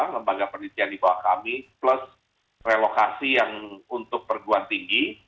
lembaga penelitian di bawah kami plus relokasi yang untuk perguruan tinggi